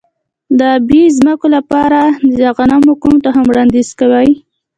د ابي ځمکو لپاره د غنمو کوم تخم وړاندیز کوئ؟